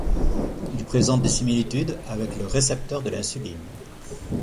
Il présente des similitudes avec le récepteur de l'insuline.